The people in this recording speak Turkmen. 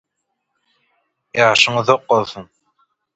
ýaşyň uzak bolsun!